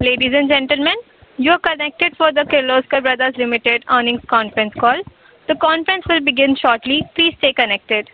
Ladies and gentlemen, you are connected for the Kirloskar Brothers Limited earnings conference call. The conference will begin shortly. Please stay connected.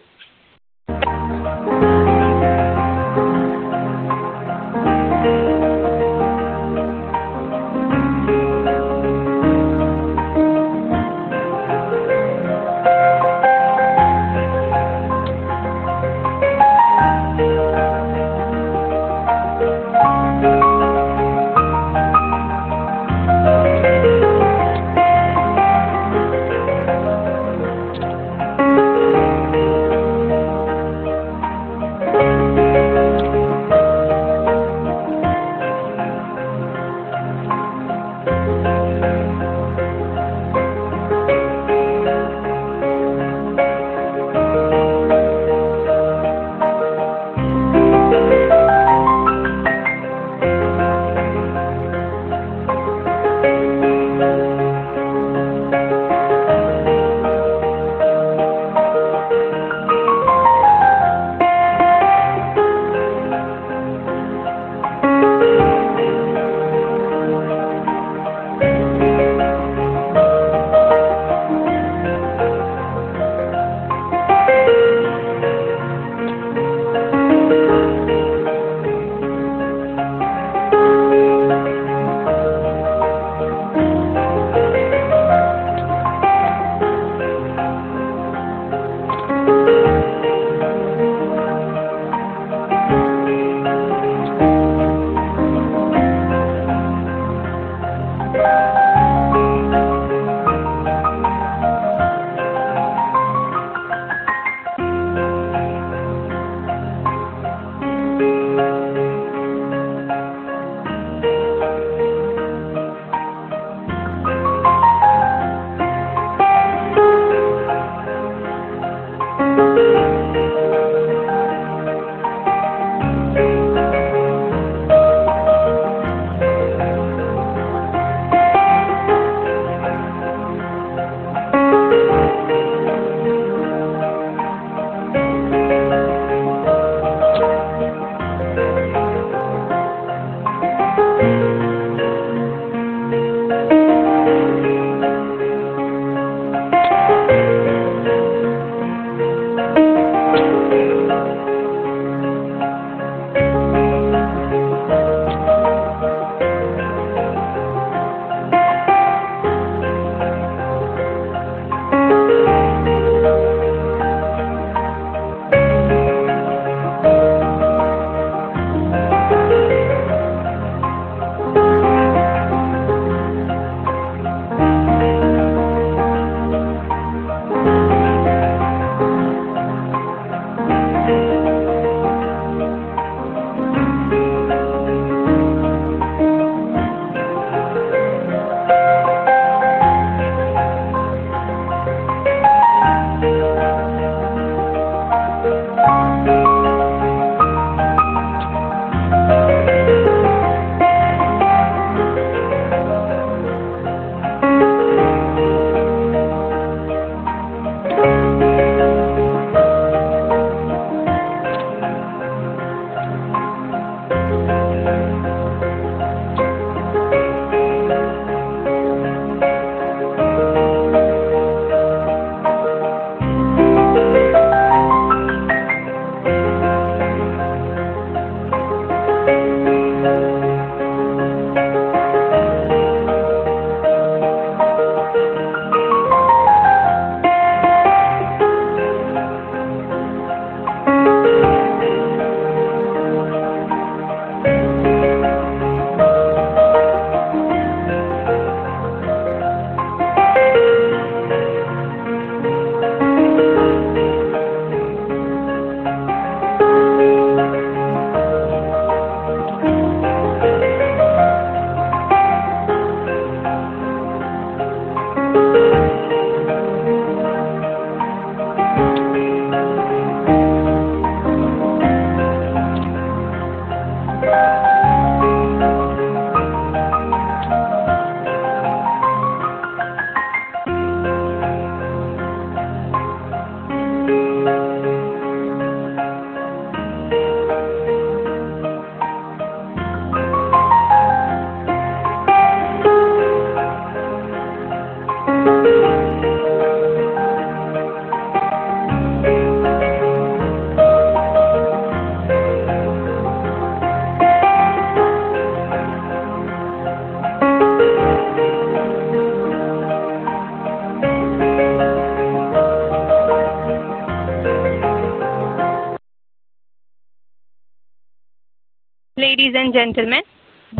Ladies and gentlemen,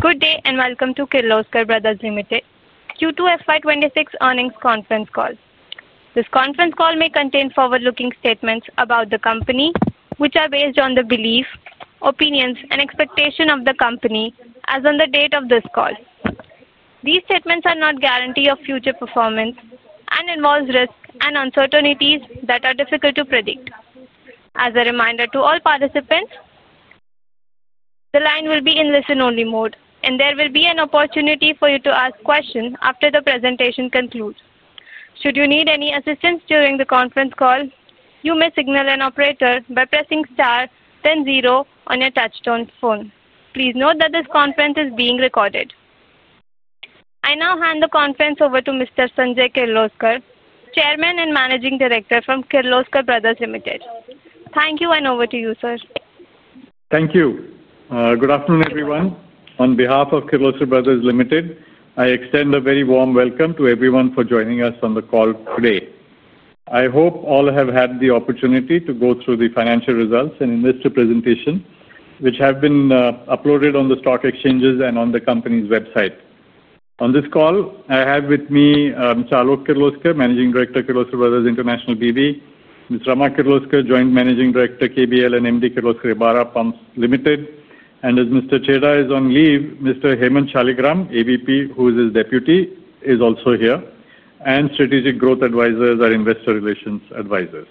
good day and welcome to Kirloskar Brothers Limited Q2 FY 2026 earnings conference call. This conference call may contain forward-looking statements about the company, which are based on the belief, opinions, and expectations of the company as of the date of this call. These statements are not a guarantee of future performance and involve risks and uncertainties that are difficult to predict. As a reminder to all participants, the line will be in listen-only mode, and there will be an opportunity for you to ask questions after the presentation concludes. Should you need any assistance during the conference call, you may signal an operator by pressing * then 0 on your touch-tone phone. Please note that this conference is being recorded. I now hand the conference over to Mr. Sanjay Kirloskar, Chairman and Managing Director from Kirloskar Brothers Limited. Thank you, and over to you, sir. Thank you. Good afternoon, everyone. On behalf of Kirloskar Brothers Limited, I extend a very warm welcome to everyone for joining us on the call today. I hope all have had the opportunity to go through the financial results and investor presentations which have been uploaded on the stock exchanges and on the company's website. On this call, I have with me Alok Kirloskar, Managing Director of Kirloskar Brothers International B.V., Ms. Rama Kirloskar, Joint Managing Director, KBL, and Managing Director, Kirloskar Ebara Pumps Limited. As Mr. Chheda is on leave, Mr. Hemant Shaligram, AVP, who is his deputy, is also here, and Strategic Growth Advisors and Investor Relations Advisors.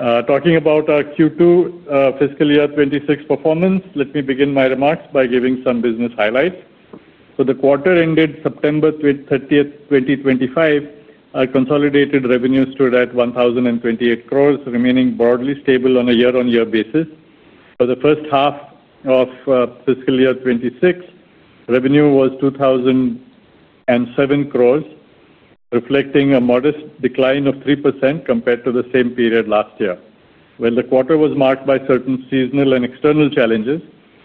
Talking about our Q2 fiscal year 2026 performance, let me begin my remarks by giving some business highlights. For the quarter ended September 30, 2025, our consolidated revenue stood at 1,028 crore, remaining broadly stable on a year-on-year basis. For the first half of fiscal year 2026, revenue was 2,007 crore, reflecting a modest decline of 3% compared to the same period last year. While the quarter was marked by certain seasonal and external challenges,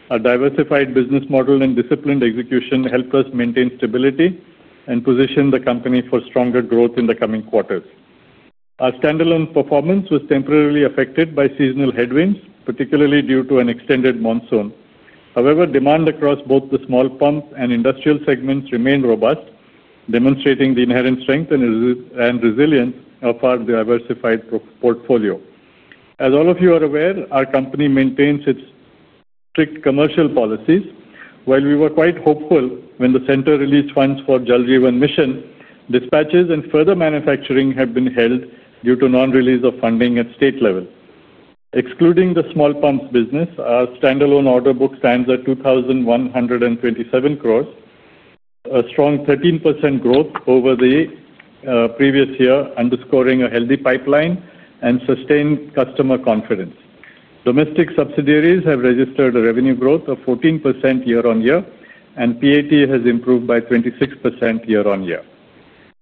our diversified business model and disciplined execution helped us maintain stability and position the company for stronger growth in the coming quarters. Our standalone performance was temporarily affected by seasonal headwinds, particularly due to an extended monsoon. However, demand across both the small pump and industrial segments remained robust, demonstrating the inherent strength and resilience of our diversified portfolio. As all of you are aware, our company maintains its strict commercial policies. While we were quite hopeful when the center released funds for the Jal Jeevan Mission, dispatches and further manufacturing have been held due to non-release of funding at state level. Excluding the small pumps business, our standalone order book stands at 2,127 crore, a strong 13% growth over the previous year, underscoring a healthy pipeline and sustained customer confidence. Domestic subsidiaries have registered a revenue growth of 14% year-on-year, and PAT has improved by 26% year-on-year.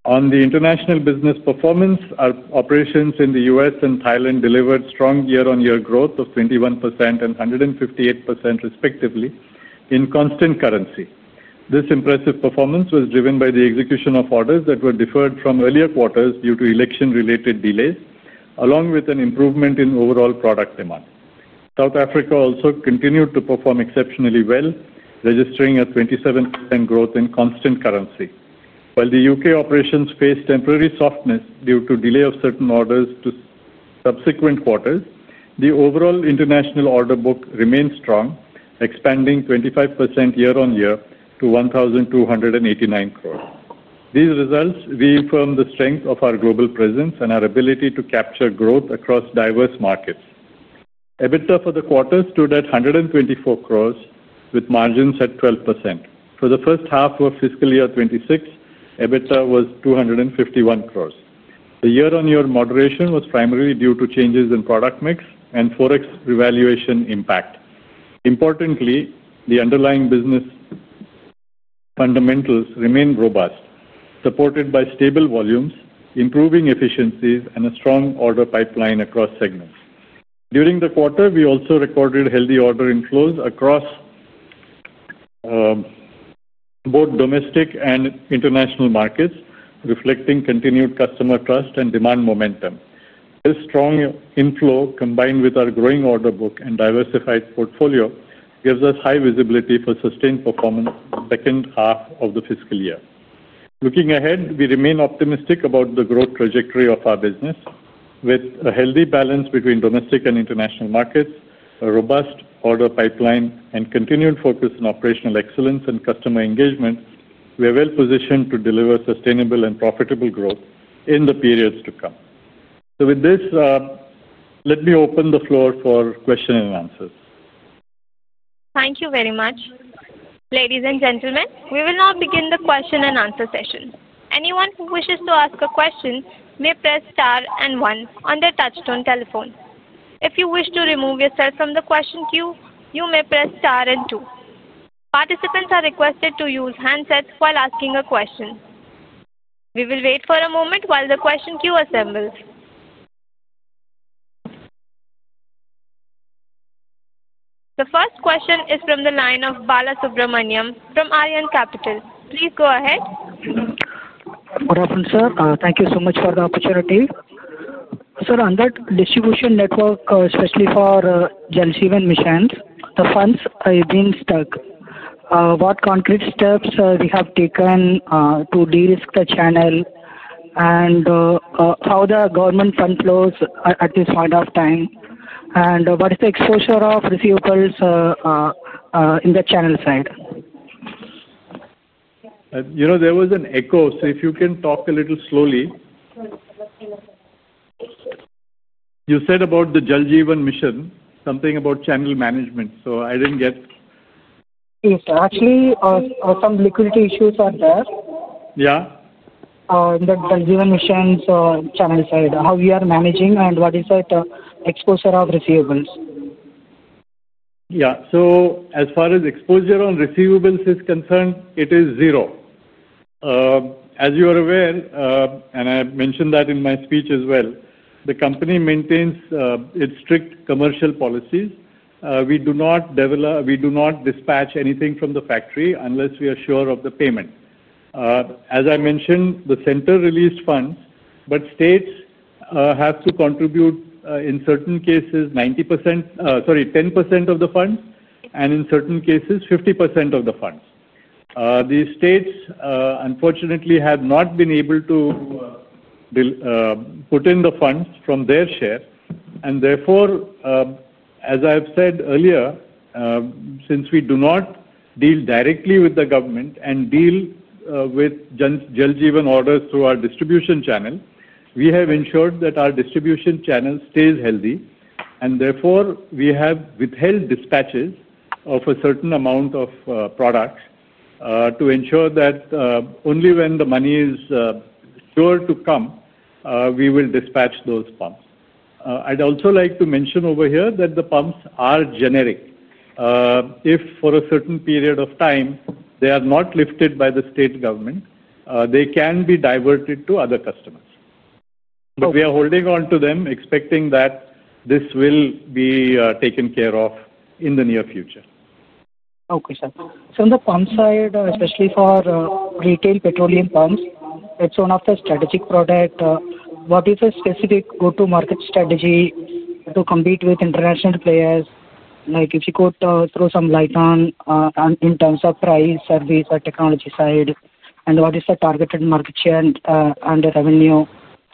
On the international business performance, our operations in the U.S. and Thailand delivered strong year-on-year growth of 21% and 158%, respectively, in constant currency. This impressive performance was driven by the execution of orders that were deferred from earlier quarters due to election-related delays, along with an improvement in overall product demand. South Africa also continued to perform exceptionally well, registering a 27% growth in constant currency. While the U.K. operations faced temporary softness due to delay of certain orders to subsequent quarters, the overall international order book remained strong, expanding 25% year-on-year to 1,289 crore. These results reaffirm the strength of our global presence and our ability to capture growth across diverse markets. EBITDA for the quarter stood at 124 crore, with margins at 12%. For the first half of fiscal year 2026, EBITDA was 251 crore. The year-on-year moderation was primarily due to changes in product mix and forex revaluation impact. Importantly, the underlying business. Fundamentals remained robust, supported by stable volumes, improving efficiencies, and a strong order pipeline across segments. During the quarter, we also recorded healthy order inflows across both domestic and international markets, reflecting continued customer trust and demand momentum. This strong inflow, combined with our growing order book and diversified portfolio, gives us high visibility for sustained performance in the second half of the fiscal year. Looking ahead, we remain optimistic about the growth trajectory of our business. With a healthy balance between domestic and international markets, a robust order pipeline, and continued focus on operational excellence and customer engagement, we are well positioned to deliver sustainable and profitable growth in the periods to come. Let me open the floor for questions and answers. Thank you very much. Ladies and gentlemen, we will now begin the question and answer session. Anyone who wishes to ask a question may press * and 1 on their touch-tone telephone. If you wish to remove yourself from the question queue, you may press * and 2. Participants are requested to use handsets while asking a question. We will wait for a moment while the question queue assembles. The first question is from the line of Balasubramanian from Arihant Capital. Please go ahead. Good afternoon, sir. Thank you so much for the opportunity. Sir, under distribution network, especially for Jal Jeevan Mission, the funds have been stuck. What concrete steps have we taken to de-risk the channel? How are the government fund flows at this point of time? What is the exposure of receivables in the channel side? There was an echo. If you can talk a little slowly. You said about the Jal Jeevan Mission, something about channel management. I did not get. Yes, sir. Actually, some liquidity issues are there. Yeah? In the Jal Jeevan Mission channel side, how we are managing and what is the exposure of receivables? Yeah. As far as exposure on receivables is concerned, it is zero. As you are aware, and I mentioned that in my speech as well, the company maintains its strict commercial policies. We do not dispatch anything from the factory unless we are sure of the payment. As I mentioned, the center released funds, but states have to contribute, in certain cases, 10% of the funds, and in certain cases, 50% of the funds. The states, unfortunately, have not been able to put in the funds from their share. Therefore, as I have said earlier, since we do not deal directly with the government and deal with Jal Jeevan orders through our distribution channel, we have ensured that our distribution channel stays healthy. Therefore, we have withheld dispatches of a certain amount of products to ensure that only when the money is sure to come, we will dispatch those pumps. I'd also like to mention over here that the pumps are generic. If for a certain period of time they are not lifted by the state government, they can be diverted to other customers. We are holding on to them, expecting that this will be taken care of in the near future. Okay, sir. On the pump side, especially for retail petroleum pumps, it is one of the strategic products. What is the specific go-to-market strategy to compete with international players? If you could throw some light on in terms of price, service, or technology side, and what is the targeted market share and the revenue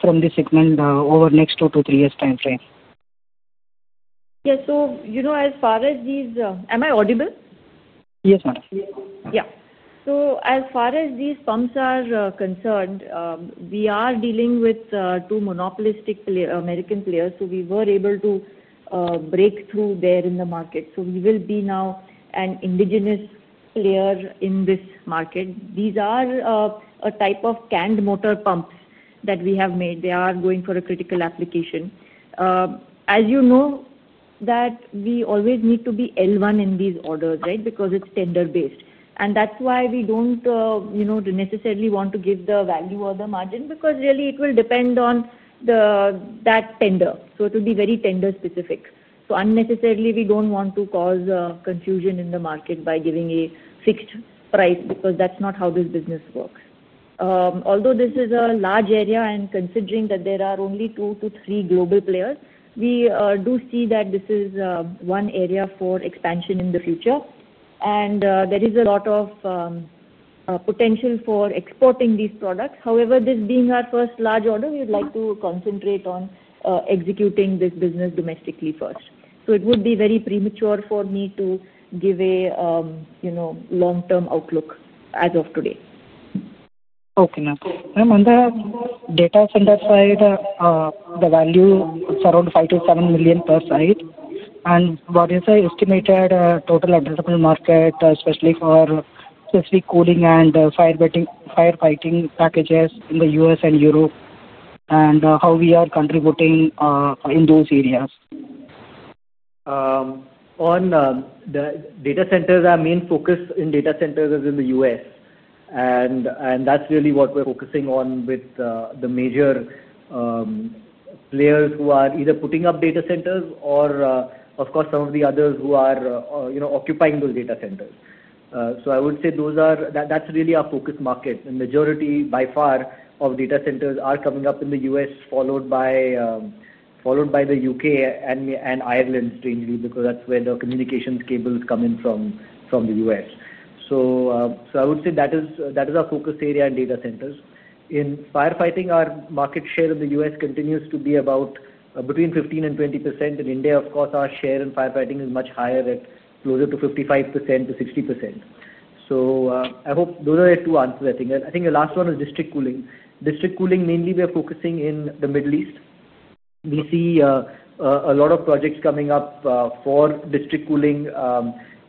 from this segment over the next two to three years' timeframe? Yes. As far as these, am I audible? Yes, ma'am. Yeah. As far as these pumps are concerned, we are dealing with two monopolistic American players. We were able to break through there in the market. We will be now an indigenous player in this market. These are a type of canned motor pumps that we have made. They are going for a critical application. As you know, we always need to be L1 in these orders, right, because it is tender-based. That is why we do not necessarily want to give the value or the margin because really it will depend on that tender. It will be very tender-specific. Unnecessarily, we do not want to cause confusion in the market by giving a fixed price because that is not how this business works. Although this is a large area, and considering that there are only two to three global players, we do see that this is one area for expansion in the future. There is a lot of potential for exporting these products. However, this being our first large order, we would like to concentrate on executing this business domestically first. It would be very premature for me to give a long-term outlook as of today. Okay, ma'am. Ma'am, on the data center side, the value is around $5 million-$7 million per site. What is the estimated total addressable market, especially for specific cooling and firefighting packages in the U.S. and Europe? How are we contributing in those areas? On the data centers, our main focus in data centers is in the U.S. And that's really what we're focusing on with the major players who are either putting up data centers or, of course, some of the others who are occupying those data centers. I would say that's really our focus market. The majority, by far, of data centers are coming up in the U.S., followed by the U.K. and Ireland, strangely, because that's where the communications cables come in from the U.S. I would say that is our focus area in data centers. In firefighting, our market share in the U.S. continues to be about between 15%-20%. In India, of course, our share in firefighting is much higher, closer to 55%-60%. I hope those are the two answers, I think. I think the last one is district cooling. District cooling, mainly, we are focusing in the Middle East. We see a lot of projects coming up for district cooling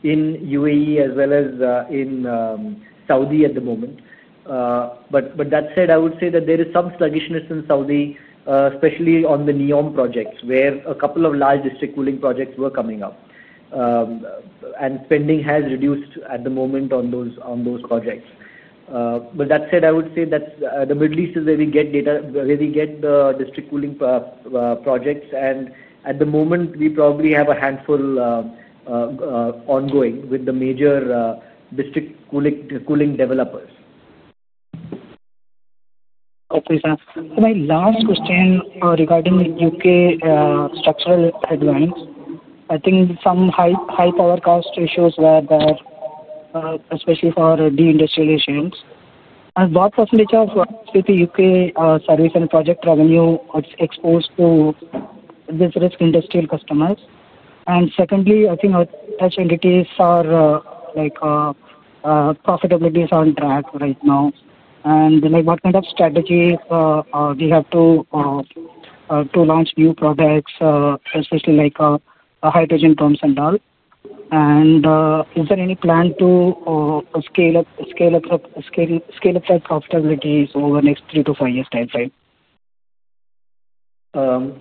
in U.A.E. as well as in Saudi at the moment. That said, I would say that there is some sluggishness in Saudi, especially on the NEOM projects, where a couple of large district cooling projects were coming up. Spending has reduced at the moment on those projects. That said, I would say that the Middle East is where we get the district cooling projects. At the moment, we probably have a handful ongoing with the major district cooling developers. Okay, sir. My last question regarding the U.K. structural headlines. I think some high power cost issues were there, especially for the industrial issues. What percentage of the U.K. service and project revenue is exposed to this risk, industrial customers? Secondly, I think such entities are profitabilities on track right now. What kind of strategy do you have to launch new products, especially like hydrogen pumps and all? Is there any plan to scale up that profitability over the next three to five years' timeframe?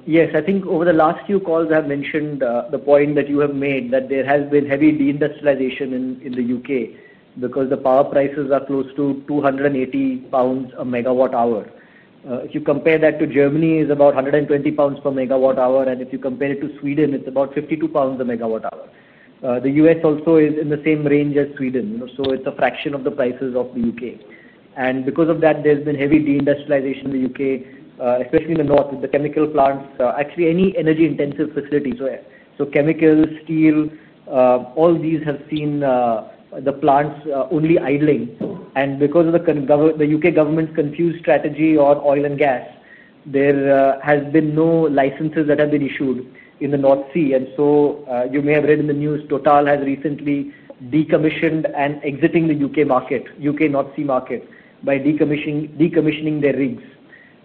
Yes. I think over the last few calls, I have mentioned the point that you have made that there has been heavy deindustrialization in the U.K. because the power prices are close to 280 pounds per megawatt hour. If you compare that to Germany, it's about 120 pounds per megawatt hour. And if you compare it to Sweden, it's about 52 pounds a megawatt hour. The U.S. also is in the same range as Sweden. It is a fraction of the prices of the U.K. Because of that, there has been heavy deindustrialization in the U.K., especially in the north, with the chemical plants. Actually, any energy-intensive facilities, so chemicals, steel, all these have seen the plants only idling. Because of the U.K. government's confused strategy on oil and gas, there have been no licenses that have been issued in the North Sea. You may have read in the news, Total has recently decommissioned and exited the U.K. North Sea market by decommissioning their rigs.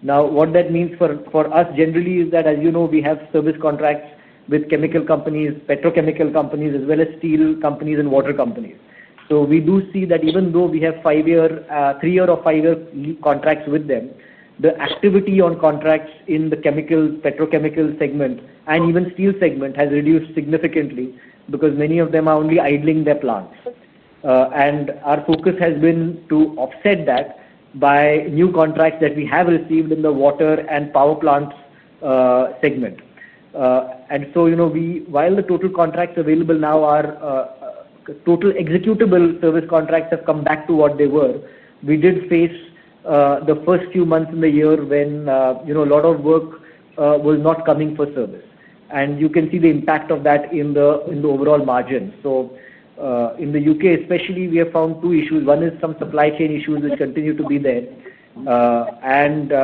Now, what that means for us generally is that, as you know, we have service contracts with chemical companies, petrochemical companies, as well as steel companies and water companies. We do see that even though we have three-year or five-year contracts with them, the activity on contracts in the petrochemical segment and even steel segment has reduced significantly because many of them are only idling their plants. Our focus has been to offset that by new contracts that we have received in the water and power plants segment. While the total contracts available now are, total executable service contracts have come back to what they were, we did face the first few months in the year when a lot of work was not coming for service. You can see the impact of that in the overall margin. In the U.K., especially, we have found two issues. One is some supply chain issues which continue to be there,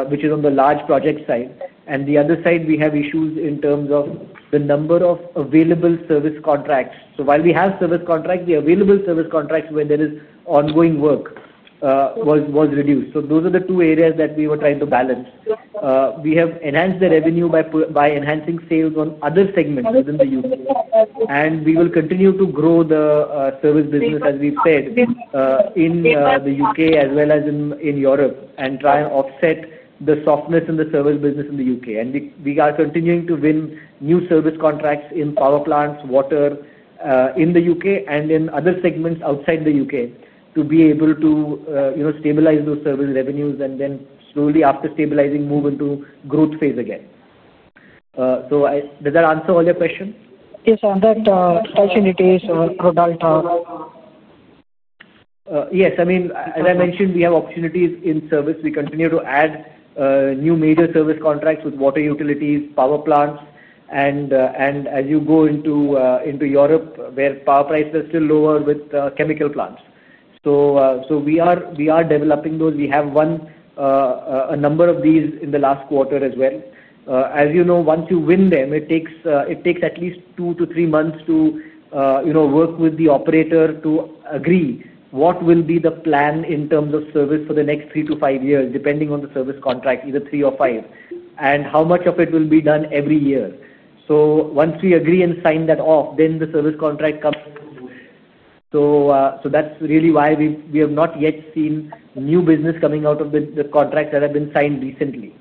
which is on the large project side. The other side, we have issues in terms of the number of available service contracts. While we have service contracts, the available service contracts where there is ongoing work was reduced. Those are the two areas that we were trying to balance. We have enhanced the revenue by enhancing sales on other segments within the U.K. We will continue to grow the service business, as we said, in the U.K. as well as in Europe, and try and offset the softness in the service business in the U.K. We are continuing to win new service contracts in power plants, water, in the U.K. and in other segments outside the U.K. to be able to stabilize those service revenues and then slowly, after stabilizing, move into growth phase again. Does that answer all your questions? Yes, sir. Are there opportunities for Total? Yes. I mean, as I mentioned, we have opportunities in service. We continue to add new major service contracts with water utilities, power plants. As you go into Europe, where power prices are still lower, with chemical plants. We are developing those. We have a number of these in the last quarter as well. As you know, once you win them, it takes at least two to three months to work with the operator to agree what will be the plan in terms of service for the next three to five years, depending on the service contract, either three or five, and how much of it will be done every year. Once we agree and sign that off, then the service contract comes into place. That is really why we have not yet seen new business coming out of the contracts that have been signed recently.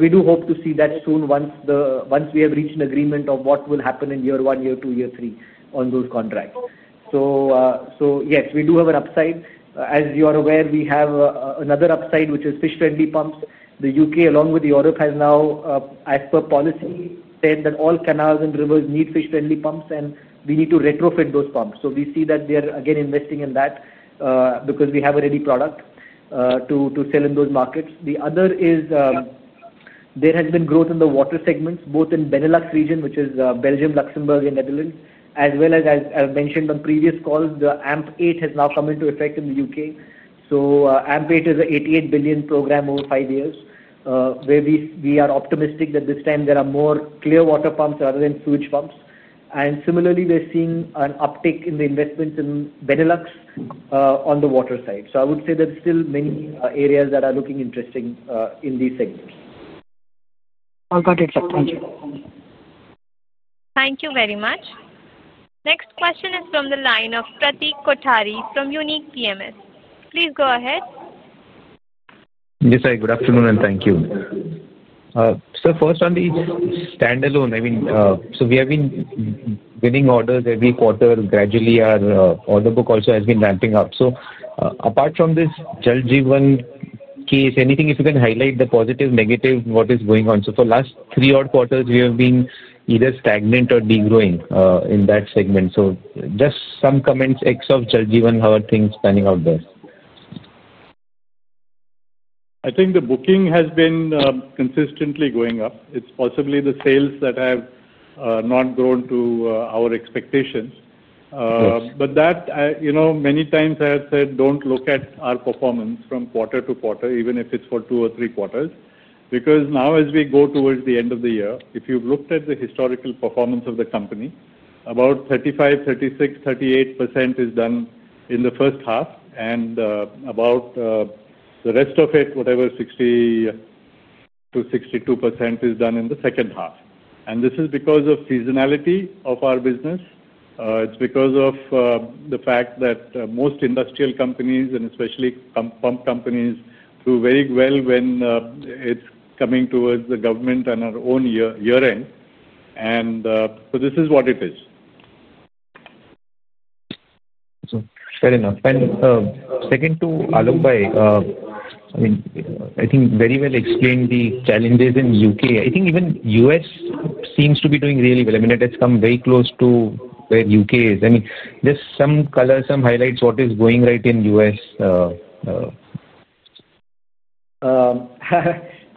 We do hope to see that soon once we have reached an agreement of what will happen in year one, year two, year three on those contracts. Yes, we do have an upside. As you are aware, we have another upside, which is fish-friendly pumps. The U.K., along with Europe, has now, as per policy, said that all canals and rivers need fish-friendly pumps, and we need to retrofit those pumps. We see that they are again investing in that because we have a ready product to sell in those markets. The other is there has been growth in the water segments, both in the Benelux region, which is Belgium, Luxembourg, and Netherlands, as well as, as I have mentioned on previous calls, the AMP8 has now come into effect in the U.K. AMP8 is a 88 billion program over five years, where we are optimistic that this time there are more clear water pumps rather than sewage pumps. Similarly, we are seeing an uptick in the investments in Benelux on the water side. I would say there are still many areas that are looking interesting in these segments. I've got it. Thank you. Thank you very much. Next question is from the line of Pratik Kothari from Unique PMS. Please go ahead. Yes, sir. Good afternoon and thank you. First on the standalone, I mean, we have been winning orders every quarter gradually. Our order book also has been ramping up. Apart from this Jal Jeevan case, anything, if you can highlight the positive, negative, what is going on? For the last three odd quarters, we have been either stagnant or degrowing in that segment. Just some comments ex of Jal Jeevan, how are things turning out there? I think the booking has been consistently going up. It's possibly the sales that have not grown to our expectations. Many times I have said, "Don't look at our performance from quarter to quarter, even if it's for two or three quarters." As we go towards the end of the year, if you've looked at the historical performance of the company, about 35%, 36%, 38% is done in the first half. The rest of it, whatever, 60%-62% is done in the second half. This is because of seasonality of our business. It's because of the fact that most industrial companies, and especially pump companies, do very well when it's coming towards the government and our own year-end. This is what it is. Fair enough. Second, to Alok, I mean, I think you very well explained the challenges in the U.K. I think even the U.S. seems to be doing really well. I mean, it has come very close to where the U.K. is. I mean, is there some color, some highlights, what is going right in the U.S.?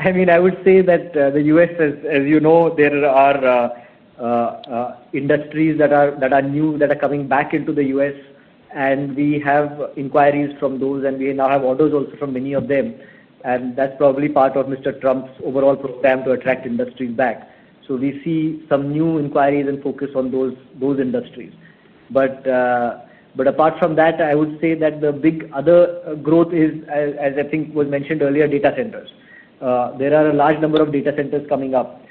I mean, I would say that the U.S., as you know, there are industries that are new that are coming back into the U.S. And we have inquiries from those, and we now have orders also from many of them. That's probably part of Mr. Trump's overall program to attract industries back. We see some new inquiries and focus on those industries. Apart from that, I would say that the big other growth is, as I think was mentioned earlier, data centers. There are a large number of data centers coming up.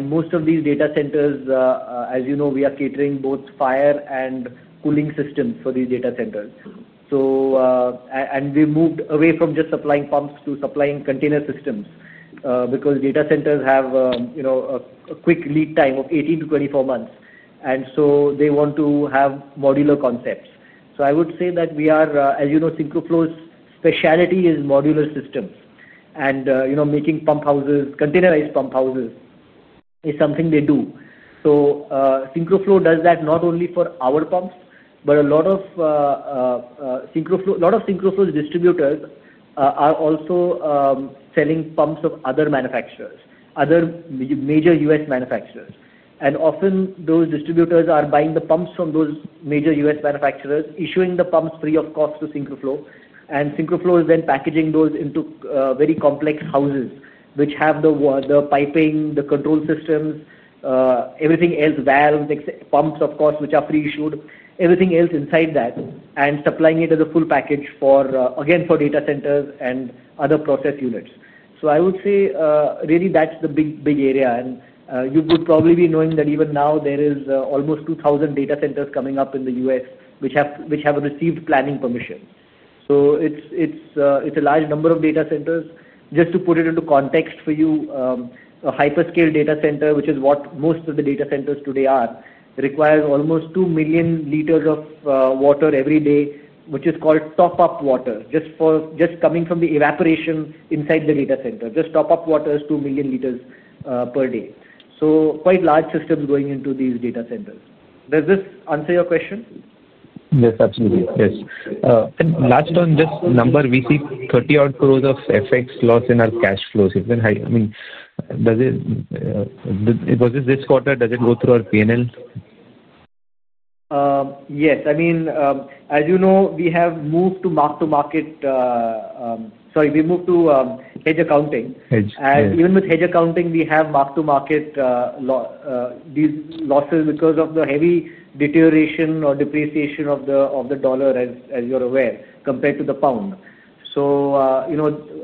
Most of these data centers, as you know, we are catering both fire and cooling systems for these data centers. We've moved away from just supplying pumps to supplying container systems because data centers have a quick lead time of 18 months-24 months. They want to have modular concepts. I would say that we are, as you know, SyncroFlo's specialty is modular systems. Making pump houses, containerized pump houses, is something they do. SyncroFlo does that not only for our pumps, but a lot of SyncroFlo's distributors are also selling pumps of other manufacturers, other major U.S. manufacturers. Often, those distributors are buying the pumps from those major U.S. manufacturers, issuing the pumps free of cost to SyncroFlo. SyncroFlo is then packaging those into very complex houses, which have the piping, the control systems, everything else, valves, pumps, of course, which are pre-issued, everything else inside that, and supplying it as a full package, again, for data centers and other process units. I would say, really, that's the big area. You would probably be knowing that even now, there are almost 2,000 data centers coming up in the U.S. which have received planning permission. It's a large number of data centers. Just to put it into context for you, a hyperscale data center, which is what most of the data centers today are, requires almost 2 million liters of water every day, which is called top-up water, just coming from the evaporation inside the data center. Just top-up water is 2 million liters per day. Quite large systems going into these data centers. Does this answer your question? Yes, absolutely. Yes. Last on this number, we see 30 crore-odd of FX loss in our cash flows. I mean. Was it this quarter? Does it go through our P&L? Yes. I mean, as you know, we have moved to mark-to-market. Sorry, we moved to hedge accounting. And even with hedge accounting, we have mark-to-market losses because of the heavy deterioration or depreciation of the dollar, as you're aware, compared to the pound.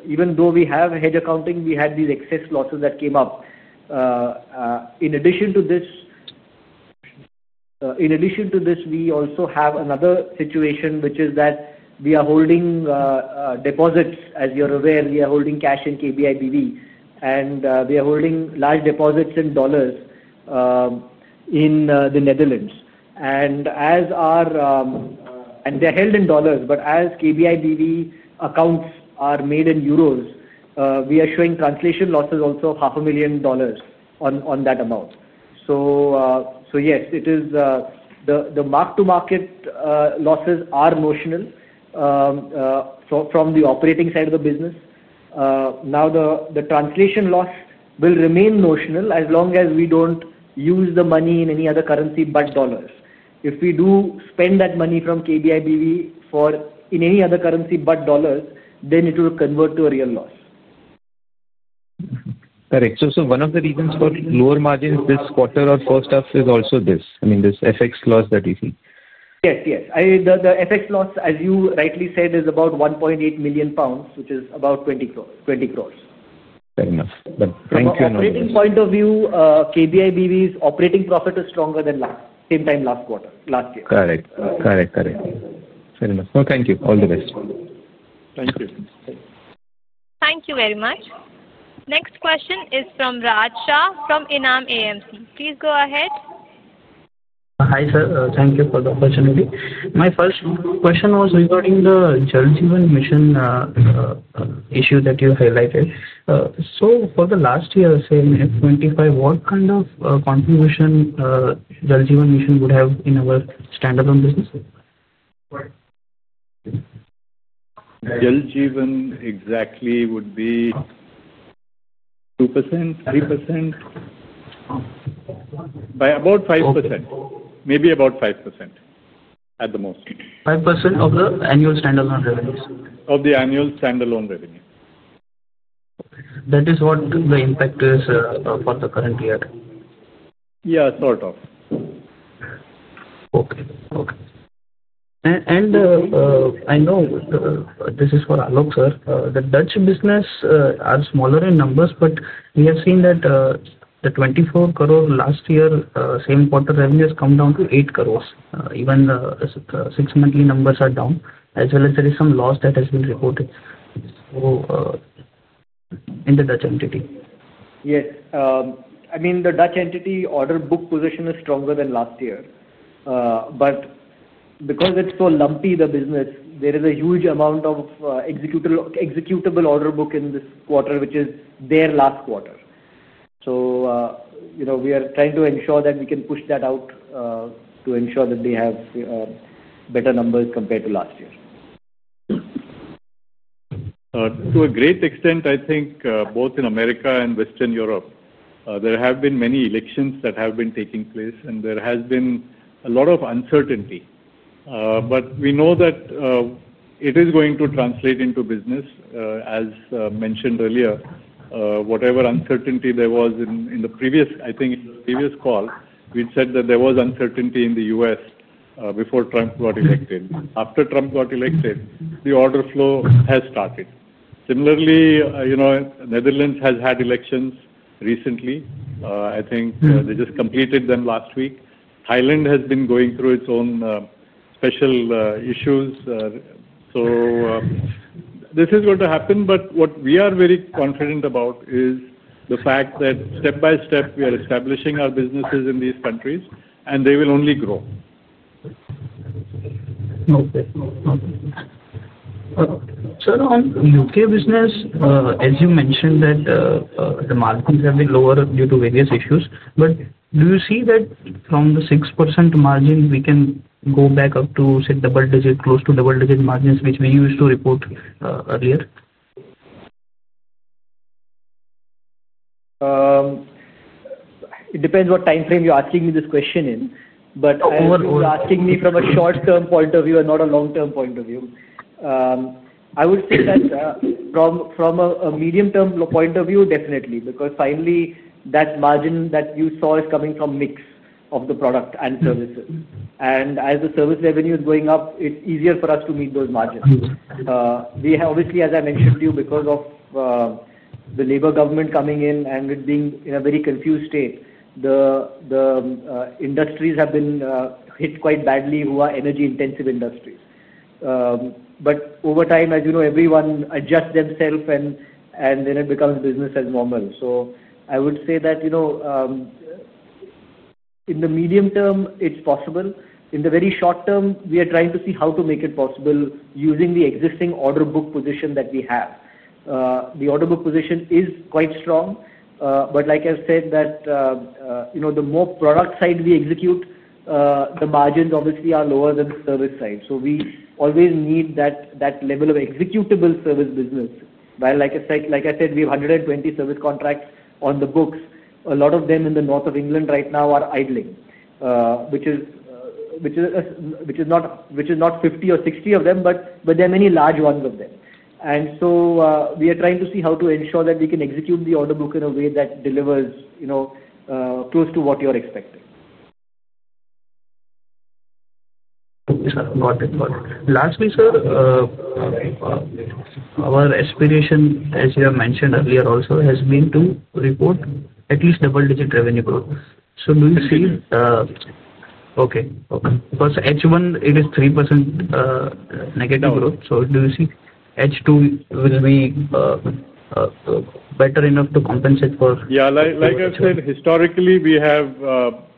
Even though we have hedge accounting, we had these excess losses that came up. In addition to this, we also have another situation, which is that we are holding deposits. As you're aware, we are holding cash in KBIBV, and we are holding large deposits in dollars in the Netherlands. They are held in dollars, but as KBIBV accounts are made in euros, we are showing translation losses also of $500,000 on that amount. Yes, the mark-to-market losses are notional from the operating side of the business. Now, the translation loss will remain notional as long as we do not use the money in any other currency but dollars. If we do spend that money from KBIBV in any other currency but dollars, then it will convert to a real loss. Correct. One of the reasons for lower margins this quarter or first half is also this, I mean, this FX loss that we see. Yes, yes. The FX loss, as you rightly said, is about 1.8 million pounds, which is about 20 crore. Fair enough. Thank you. From an operating point of view, KBIBV's operating profit is stronger than last same time, last quarter, last year. Correct. Fair enough. Thank you. All the best. Thank you. Thank you very much. Next question is from Raj Shah from ENAM AMC. Please go ahead. Hi, sir. Thank you for the opportunity. My first question was regarding the Jal Jeevan Mission issue that you highlighted. For the last year, say, 2025, what kind of contribution would the Jal Jeevan Mission have in our standalone business? Jal Jeevan exactly would be 2%, 3%. About 5%. Maybe about 5% at the most. 5% of the annual standalone revenues? Of the annual standalone revenue. That is what the impact is for the current year? Yeah, sort of. Okay. Okay. I know this is for Alok, sir. The Dutch business are smaller in numbers, but we have seen that the 24 crore last year, same quarter revenues come down to 8 crore. Even the six-monthly numbers are down, as well as there is some loss that has been reported. In the Dutch entity? Yes. I mean, the Dutch entity order book position is stronger than last year. Because it is so lumpy, the business, there is a huge amount of executable order book in this quarter, which is their last quarter. We are trying to ensure that we can push that out to ensure that they have better numbers compared to last year. To a great extent, I think, both in America and Western Europe, there have been many elections that have been taking place, and there has been a lot of uncertainty. We know that it is going to translate into business. As mentioned earlier, whatever uncertainty there was in the previous, I think, in the previous call, we said that there was uncertainty in the U.S. before Trump got elected. After Trump got elected, the order flow has started. Similarly, the Netherlands has had elections recently. I think they just completed them last week. Thailand has been going through its own special issues. This is going to happen. What we are very confident about is the fact that step by step, we are establishing our businesses in these countries, and they will only grow. Okay. Sir, on U.K. business, as you mentioned that the margins have been lower due to various issues. Do you see that from the 6% margin, we can go back up to, say, double-digit, close to double-digit margins, which we used to report earlier? It depends what time frame you're asking me this question in. But you're asking me from a short-term point of view and not a long-term point of view. I would say that from a medium-term point of view, definitely, because finally, that margin that you saw is coming from a mix of the product and services. And as the service revenue is going up, it's easier for us to meet those margins. Obviously, as I mentioned to you, because of the Labor government coming in and it being in a very confused state, the industries have been hit quite badly who are energy-intensive industries. Over time, as you know, everyone adjusts themselves, and then it becomes business as normal. I would say that in the medium term, it's possible. In the very short term, we are trying to see how to make it possible using the existing order book position that we have. The order book position is quite strong. Like I've said, the more product side we execute, the margins obviously are lower than the service side. We always need that level of executable service business. While, like I said, we have 120 service contracts on the books. A lot of them in the north of England right now are idling, which is not 50 or 60 of them, but there are many large ones of them. We are trying to see how to ensure that we can execute the order book in a way that delivers close to what you're expecting. Got it. Got it. Lastly, sir. Our aspiration, as you have mentioned earlier also, has been to report at least double-digit revenue growth. Do you see? Yes. Okay. Okay. Because H1, it is 3%- growth. Do you see H2 will be better enough to compensate for? Yeah. Like I've said, historically, we have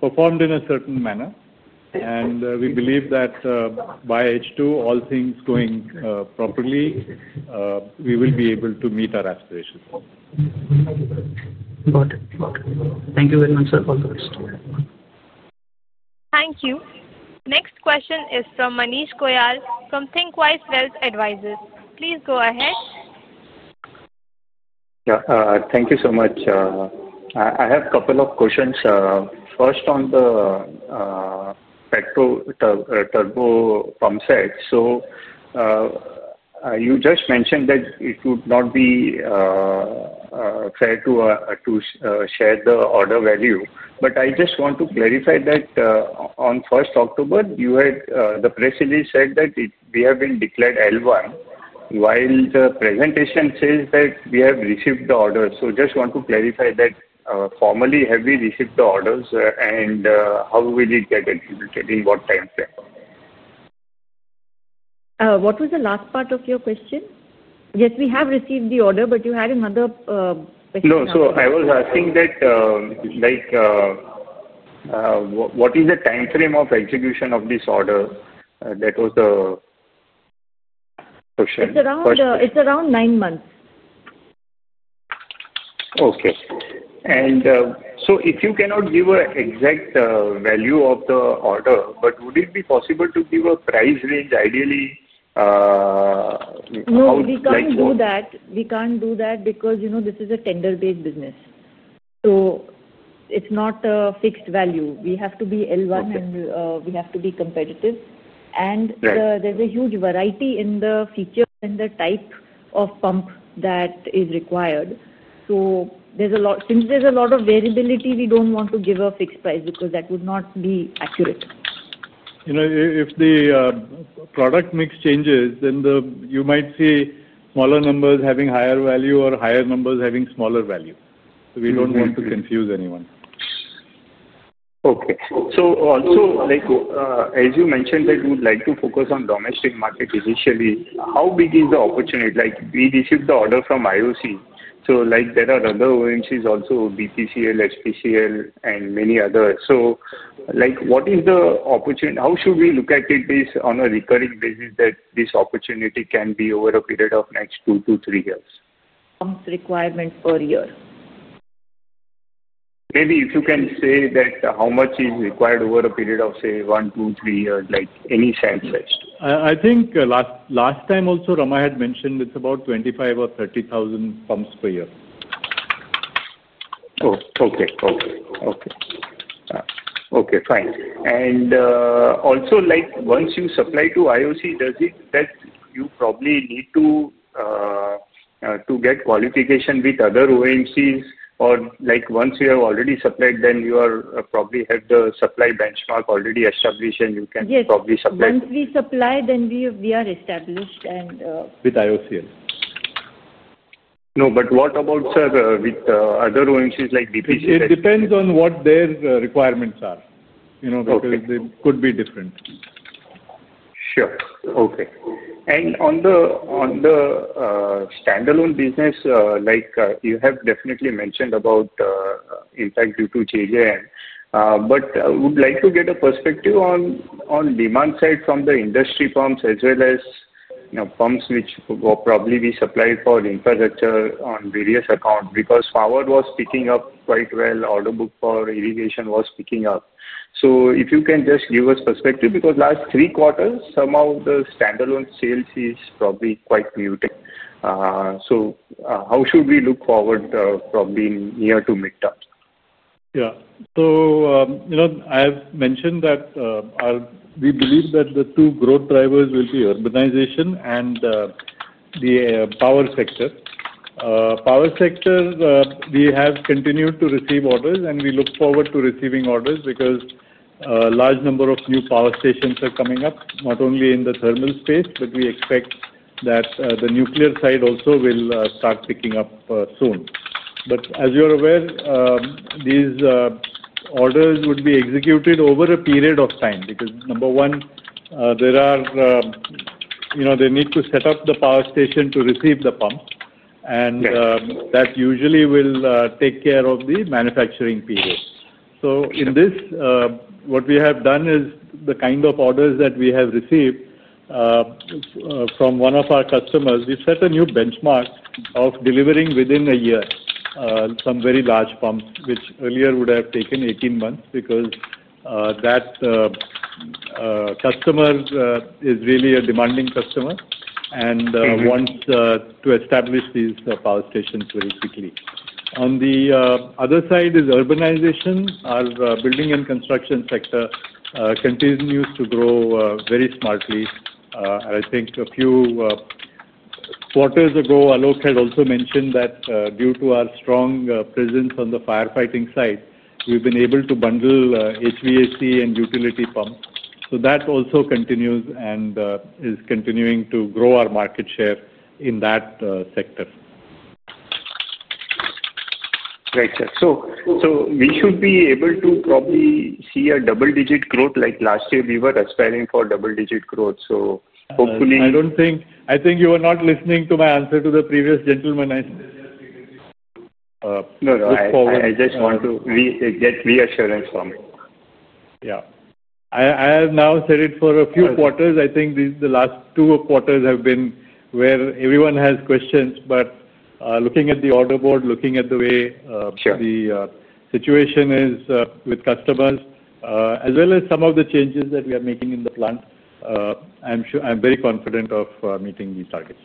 performed in a certain manner. We believe that by H2, all things going properly, we will be able to meet our aspirations. Got it. Got it. Thank you very much, sir. All the best. Thank you. Next question is from Manish Goyal from Thinqwise Wealth Advisors. Please go ahead. Thank you so much. I have a couple of questions. First, on the petrol turbo pump set. You just mentioned that it would not be fair to share the order value. I just want to clarify that on 1st October, you had the press release said that we have been declared L1, while the presentation says that we have received the orders. I just want to clarify that formally, have we received the orders, and how will it get executed in what time frame? What was the last part of your question? Yes, we have received the order, but you had another question. No, I was asking that. What is the time frame of execution of this order? That was the question. It's around nine months. Okay. If you cannot give an exact value of the order, would it be possible to give a price range, ideally? No, we can't do that. We can't do that because this is a tender-based business. It is not a fixed value. We have to be L1, and we have to be competitive. There is a huge variety in the feature and the type of pump that is required. Since there is a lot of variability, we do not want to give a fixed price because that would not be accurate. If the product mix changes, then you might see smaller numbers having higher value or higher numbers having smaller value. We do not want to confuse anyone. Okay. Also, as you mentioned, that we would like to focus on domestic market initially. How big is the opportunity? We received the order from IOC. There are other OMCs also, BPCL, SPCL, and many others. What is the opportunity? How should we look at it on a recurring basis that this opportunity can be over a period of next two to three years? Pumps requirement per year. Maybe if you can say that how much is required over a period of, say, one, two, three years, any sense? I think last time also, Rama had mentioned it's about 25,000 or 30,000 pumps per year. Oh, okay. Fine. Also, once you supply to IOC, does it that you probably need to get qualification with other OMCs? Or once you have already supplied, then you probably have the supply benchmark already established, and you can probably supply? Yes. Once we supply, then we are established. With IOC, yes. No, but what about, sir, with other OMCs like BPCL? It depends on what their requirements are because it could be different. Sure. Okay. On the standalone business, you have definitely mentioned about impact due to JJM. I would like to get a perspective on demand side from the industry pumps as well as pumps which probably we supply for infrastructure on various accounts because power was picking up quite well, order book for irrigation was picking up. If you can just give us perspective because last three quarters, some of the standalone sales is probably quite muted. How should we look forward probably near to midterms? Yeah. I have mentioned that we believe that the two growth drivers will be urbanization and the power sector. Power sector, we have continued to receive orders, and we look forward to receiving orders because a large number of new power stations are coming up, not only in the thermal space, but we expect that the nuclear side also will start picking up soon. As you are aware, these orders would be executed over a period of time because, number one, they need to set up the power station to receive the pumps. That usually will take care of the manufacturing period. In this, what we have done is the kind of orders that we have received from one of our customers, we set a new benchmark of delivering within a year some very large pumps, which earlier would have taken 18 months because that customer is really a demanding customer and wants to establish these power stations very quickly. On the other side is urbanization. Our building and construction sector continues to grow very smartly. I think a few quarters ago, Alok had also mentioned that due to our strong presence on the firefighting side, we have been able to bundle HVAC and utility pumps. That also continues and is continuing to grow our market share in that sector. Right. We should be able to probably see a double-digit growth. Last year, we were aspiring for double-digit growth. Hopefully. I think you were not listening to my answer to the previous gentleman. No, I just want to get reassurance from you. Yeah. I have now said it for a few quarters. I think the last two quarters have been where everyone has questions. Looking at the order board, looking at the way the situation is with customers, as well as some of the changes that we are making in the plant, I'm very confident of meeting these targets.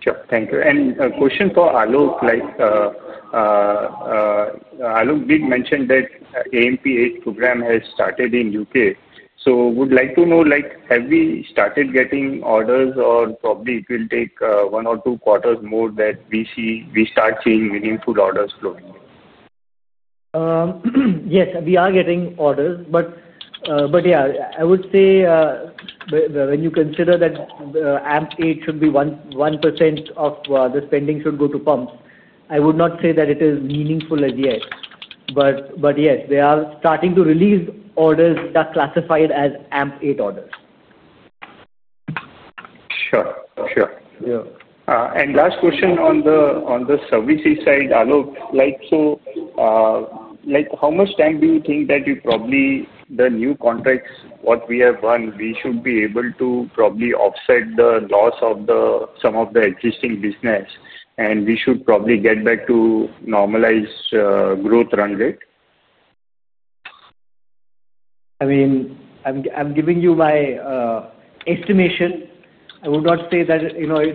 Sure. Thank you. A question for Alok. Alok did mention that AMP8 program has started in the U.K. Would like to know, have we started getting orders or probably it will take one or two quarters more that we start seeing meaningful orders flowing in? Yes, we are getting orders. Yeah, I would say, when you consider that AMP8 should be 1% of the spending should go to pumps, I would not say that it is meaningful as yet. Yes, they are starting to release orders that are classified as AMP8 orders. Sure. Sure. And last question on the services side, Alok. So, how much time do you think that you probably, the new contracts, what we have done, we should be able to probably offset the loss of some of the existing business, and we should probably get back to normalized growth run rate? I mean, I'm giving you my estimation. I would not say that,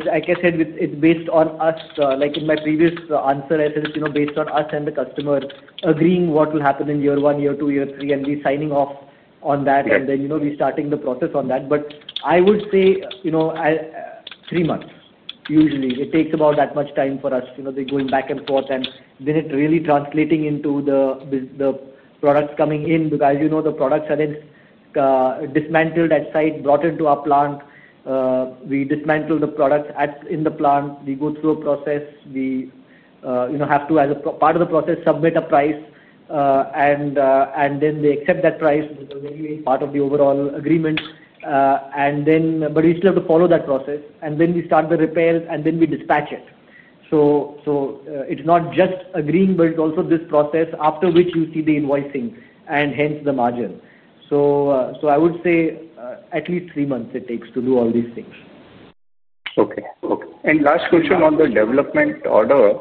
like I said, it's based on us. In my previous answer, I said it's based on us and the customer agreeing what will happen in year one, year two, year three, and we signing off on that, and then we starting the process on that. I would say three months, usually. It takes about that much time for us. They going back and forth, and then it really translating into the products coming in because the products are then dismantled at site, brought into our plant. We dismantle the products in the plant. We go through a process. We have to, as a part of the process, submit a price. They accept that price as part of the overall agreement. We still have to follow that process. We start the repairs, and then we dispatch it. It's not just agreeing, but it's also this process after which you see the invoicing and hence the margin. I would say at least three months it takes to do all these things. Okay. Okay. Last question on the development order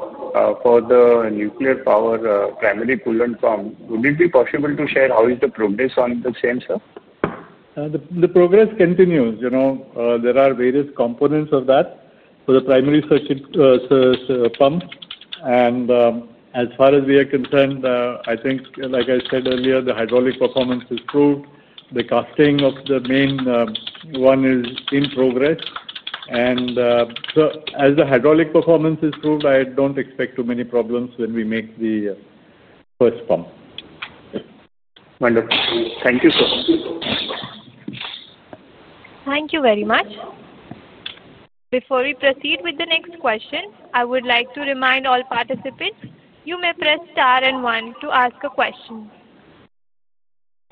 for the nuclear primary coolant pump. Would it be possible to share how is the progress on the same, sir? The progress continues. There are various components of that for the primary pump. As far as we are concerned, I think, like I said earlier, the hydraulic performance is proved. The casting of the main one is in progress. As the hydraulic performance is proved, I don't expect too many problems when we make the first pump. Wonderful. Thank you, sir. Thank you very much. Before we proceed with the next question, I would like to remind all participants you may press star and one to ask a question.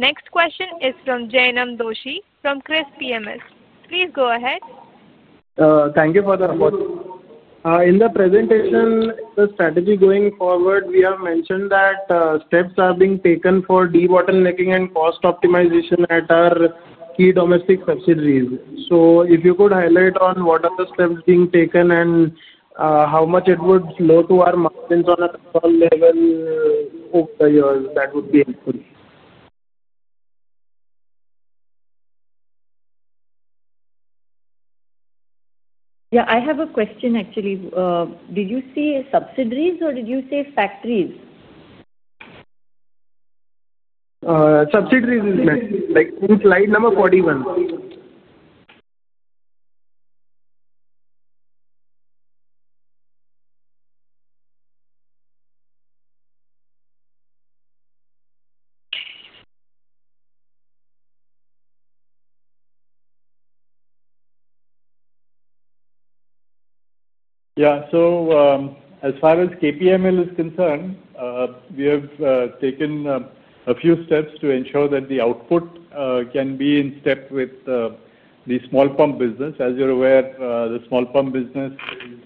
Next question is from [Jayenam Doshi from [KRIIS PMS]. Please go ahead. Thank you for the rapport. In the presentation, the strategy going forward, we have mentioned that steps are being taken for de-bottlenecking and cost optimization at our key domestic subsidiaries. If you could highlight on what are the steps being taken and how much it would flow to our margins on a per-person level over the years, that would be helpful. Yeah, I have a question, actually. Did you say subsidiaries or did you say factories? Subsidiaries is next. Slide number 41. Yeah. As far as KPML is concerned, we have taken a few steps to ensure that the output can be in step with the small pump business. As you're aware, the small pump business is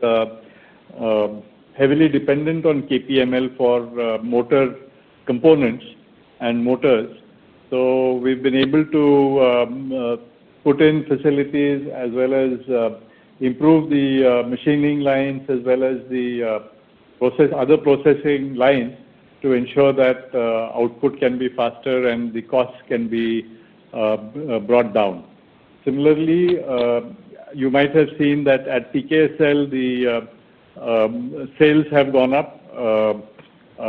heavily dependent on KPML for motor components and motors. We have been able to put in facilities as well as improve the machining lines as well as the other processing lines to ensure that output can be faster and the costs can be brought down. Similarly, you might have seen that at TKSL, the sales have gone up,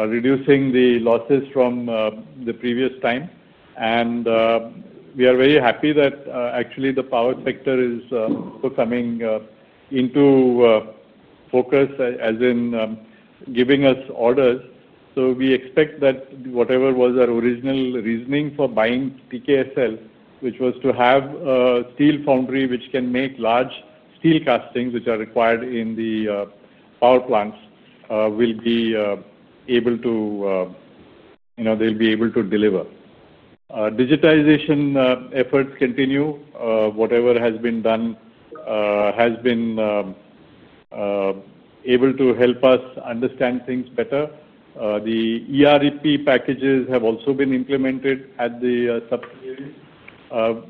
reducing the losses from the previous time. We are very happy that actually the power sector is coming into focus, as in giving us orders. We expect that whatever was our original reasoning for buying TKSL, which was to have a steel foundry which can make large steel castings which are required in the power plants, will be able to deliver. Digitization efforts continue. Whatever has been done has been able to help us understand things better. The ERP packages have also been implemented at the subsidiaries.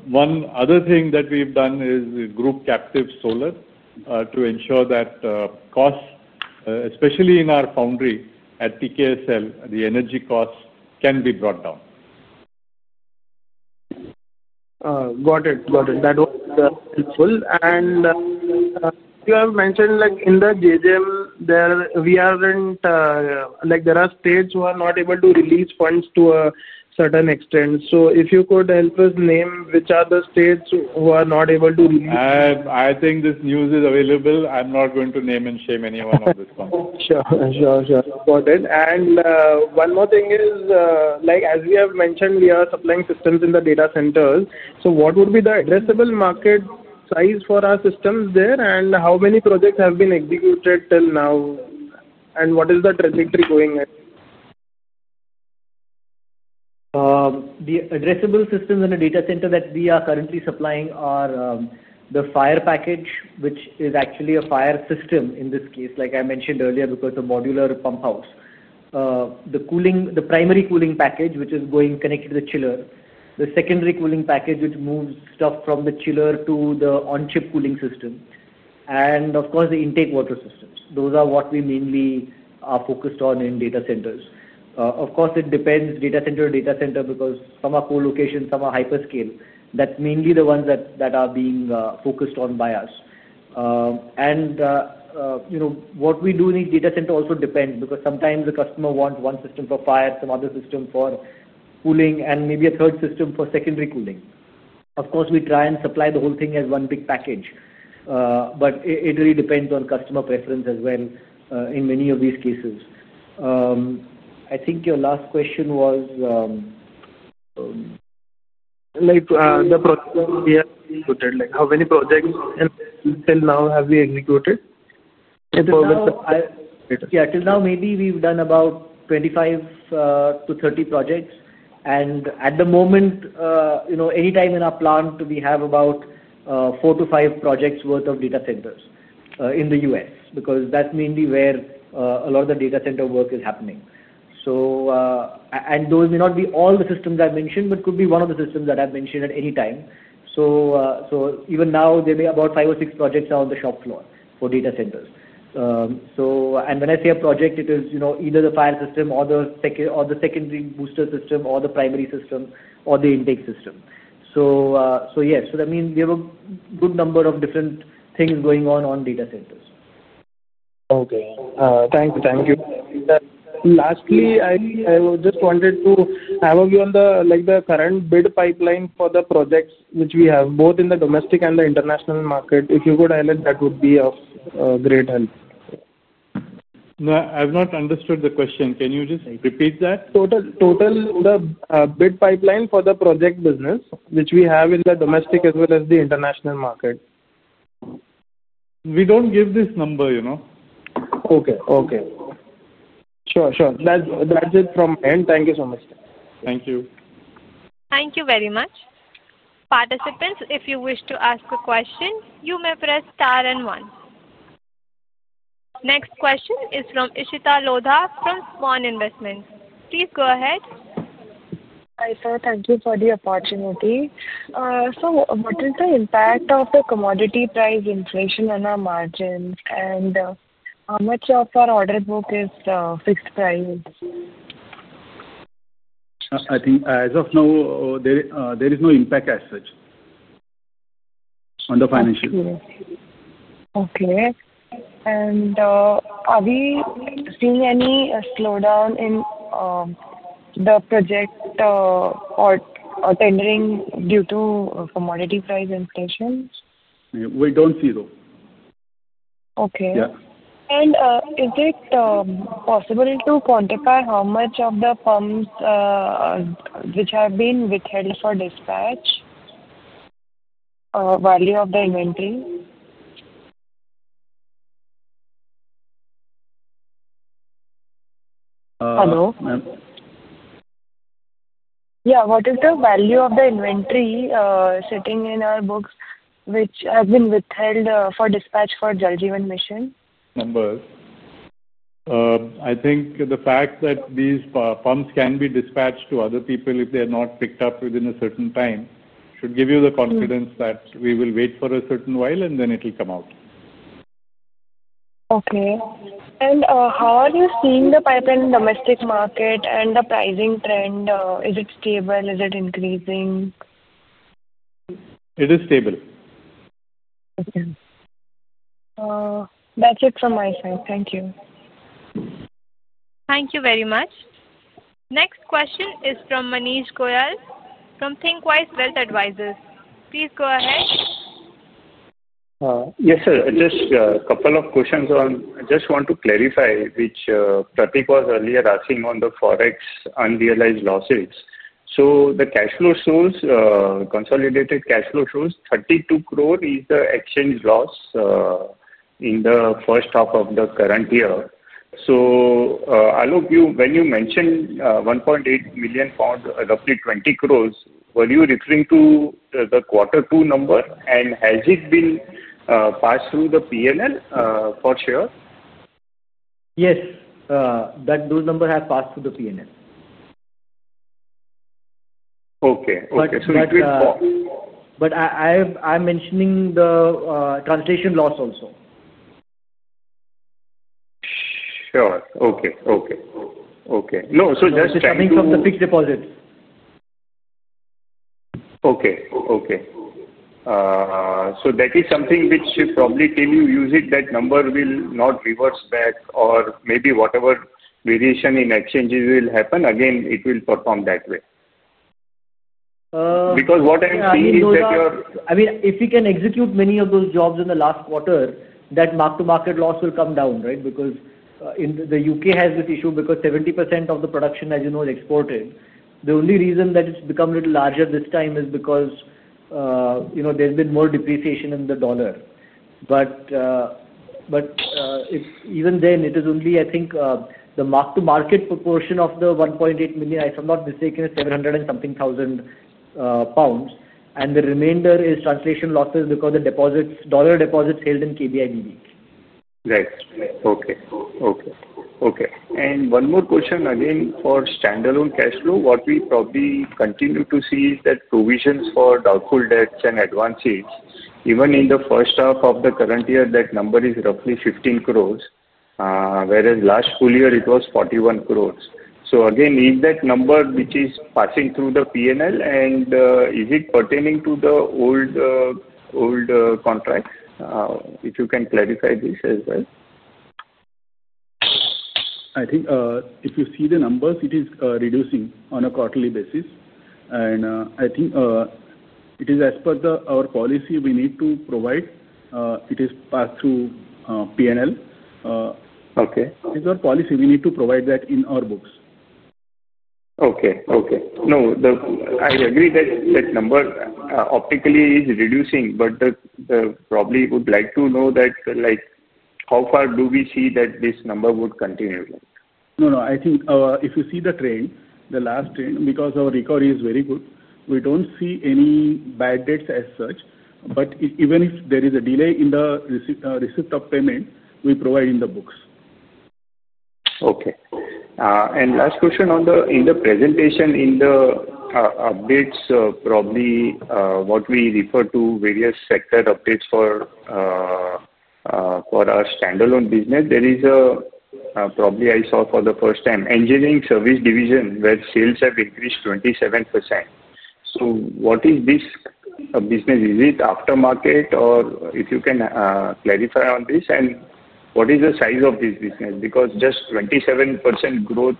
One other thing that we have done is group captive solar to ensure that costs, especially in our foundry at TKSL, the energy costs can be brought down. Got it. Got it. That was helpful. You have mentioned in the JJM, we aren't. There are states who are not able to release funds to a certain extent. If you could help us name which are the states who are not able to release. I think this news is available. I'm not going to name and shame anyone on this one. Sure. Got it. One more thing is, as we have mentioned, we are supplying systems in the data centers. What would be the addressable market size for our systems there? How many projects have been executed till now? What is the trajectory going at? The addressable systems in the data center that we are currently supplying are the fire package, which is actually a fire system in this case, like I mentioned earlier, because of modular pump house. The primary cooling package, which is going connected to the chiller. The secondary cooling package, which moves stuff from the chiller to the on-chip cooling system. Of course, the intake water systems. Those are what we mainly are focused on in data centers. Of course, it depends data center to data center because some are co-location, some are hyperscale. That is mainly the ones that are being focused on by us. What we do in each data center also depends because sometimes the customer wants one system for fire, some other system for cooling, and maybe a third system for secondary cooling. Of course, we try and supply the whole thing as one big package. It really depends on customer preference as well in many of these cases. I think your last question was. The projects we have executed, how many projects till now have we executed? Yeah. Till now, maybe we've done about 25-30 projects. At the moment, anytime in our plant, we have about four to five projects' worth of data centers in the U.S. because that's mainly where a lot of the data center work is happening. Those may not be all the systems I mentioned, but could be one of the systems that I've mentioned at any time. Even now, there may be about five or six projects on the shop floor for data centers. When I say a project, it is either the fire system or the secondary booster system or the primary system or the intake system. Yes, that means we have a good number of different things going on on data centers. Okay. Thank you. Lastly, I just wanted to have a view on the current bid pipeline for the projects which we have, both in the domestic and the international market. If you could highlight, that would be of great help. I've not understood the question. Can you just repeat that? Total bid pipeline for the project business, which we have in the domestic as well as the international market. We don't give this number. Okay. Okay. Sure. Sure. That's it from my end. Thank you so much. Thank you. Thank you very much. Participants, if you wish to ask a question, you may press star and one. Next question is from Ishita Lodha from SVAN Investment. Please go ahead. Hi, sir. Thank you for the opportunity. What is the impact of the commodity price inflation on our margins? How much of our order book is fixed price? I think as of now, there is no impact as such on the financial. Okay. Are we seeing any slowdown in the project or tendering due to commodity price inflation? We don't see though. Okay. Is it possible to quantify how much of the pumps which have been withheld for dispatch? Value of the inventory? Hello? Yeah. What is the value of the inventory sitting in our books which has been withheld for dispatch for Jal Jeevan Mission? Numbers. I think the fact that these pumps can be dispatched to other people if they are not picked up within a certain time should give you the confidence that we will wait for a certain while and then it'll come out. Okay. How are you seeing the pipeline in the domestic market and the pricing trend? Is it stable? Is it increasing? It is stable. Okay. That's it from my side. Thank you. Thank you very much. Next question is from Manish Goyal from Thinqwise Wealth Advisors. Please go ahead. Yes, sir. Just a couple of questions on, I just want to clarify which Pratik was earlier asking on the Forex unrealized losses. The cash flow shows, consolidated cash flow shows 32 crore is the exchange loss in the first half of the current year. Alok, when you mentioned 1.8 million pound, roughly 20 crore, were you referring to the quarter two number? Has it been passed through the P&L for sure? Yes. That number has passed through the P&L. Okay. Okay. I'm mentioning the translation loss also. Sure. Okay. No, so just. It's coming from the fixed deposit. Okay. Okay. So that is something which probably till you use it, that number will not reverse back or maybe whatever variation in exchanges will happen, again, it will perform that way. Because what I'm seeing is that your. I mean, if we can execute many of those jobs in the last quarter, that mark-to-market loss will come down, right? Because the U.K. has this issue because 70% of the production, as you know, is exported. The only reason that it's become a little larger this time is because there's been more depreciation in the dollar. Even then, it is only, I think, the mark-to-market proportion of the 1.8 million, if I'm not mistaken, is 700,000 and something. The remainder is translation losses because the dollar deposits held in KBIBV. Right. Okay. Okay. Okay. One more question, again, for standalone cash flow, what we probably continue to see is that provisions for doubtful debts and advances, even in the first half of the current year, that number is roughly 15 crore. Whereas last full year, it was 41 crore. Again, is that number which is passing through the P&L, and is it pertaining to the old contracts? If you can clarify this as well. I think if you see the numbers, it is reducing on a quarterly basis. I think it is as per our policy, we need to provide it is passed through P&L. Okay. It's our policy. We need to provide that in our books. Okay. Okay. No. I agree that that number optically is reducing, but probably would like to know that. How far do we see that this number would continue? No, no. I think if you see the trend, the last trend, because our recovery is very good, we do not see any bad debts as such. Even if there is a delay in the receipt of payment, we provide in the books. Okay. Last question on the, in the presentation, in the updates, probably what we refer to various sector updates for our standalone business, there is a, probably I saw for the first time, engineering service division where sales have increased 27%. What is this business? Is it aftermarket or if you can clarify on this? What is the size of this business? Because just 27% growth,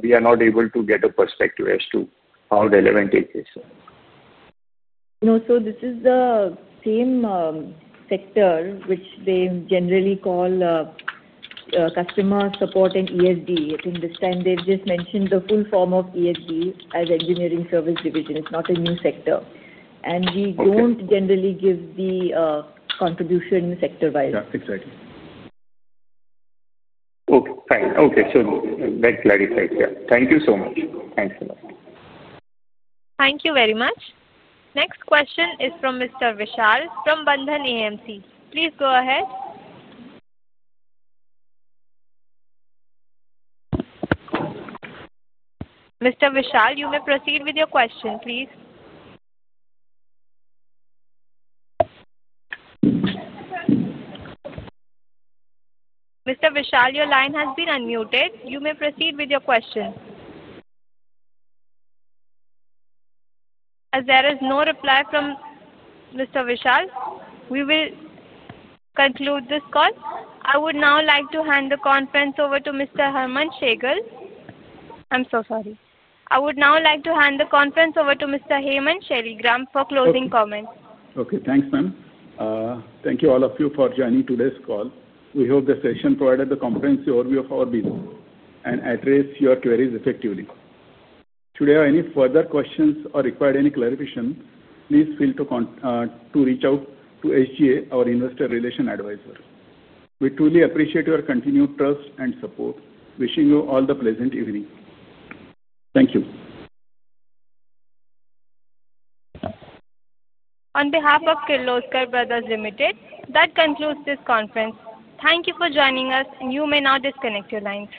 we are not able to get a perspective as to how relevant it is. This is the same sector which they generally call customer support and ESD. I think this time they've just mentioned the full form of ESD as engineering service division. It's not a new sector. We don't generally give the contribution sector-wise. Yeah. Exactly. Okay. Fine. Okay. So that clarifies. Yeah. Thank you so much. Thanks a lot. Thank you very much. Next question is from Mr. Vishal from Bandhan AMC. Please go ahead. Mr. Vishal, you may proceed with your question, please. Mr. Vishal, your line has been unmuted. You may proceed with your question. As there is no reply from Mr. Vishal, we will conclude this call. I would now like to hand the conference over to Mr. Hemant Shaligram. I'm so sorry. I would now like to hand the conference over to Mr. Hemant Shaligram for closing comments. Okay. Thanks, ma'am. Thank you all of you for joining today's call. We hope the session provided the comprehensive overview of our business and addressed your queries effectively. Should you have any further questions or require any clarification, please feel free to reach out to SGA, our investor relation advisor. We truly appreciate your continued trust and support. Wishing you all a pleasant evening. Thank you. On behalf of Kirloskar Brothers Limited, that concludes this conference. Thank you for joining us, and you may now disconnect your lines.